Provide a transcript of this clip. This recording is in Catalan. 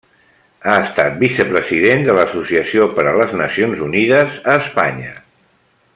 Ha estat vicepresident de l'Associació per a les Nacions Unides a Espanya.